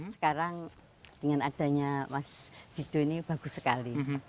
sekarang dengan adanya mas dido ini bagus sekali